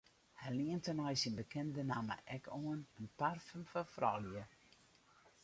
Hy lient tenei syn bekende namme ek oan in parfum foar froulju.